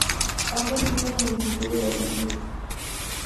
Ambas tienen multitud de variantes.